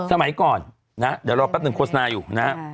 สมัยก่อนนะเดี๋ยวรอแป๊บหนึ่งโฆษณาอยู่นะฮะ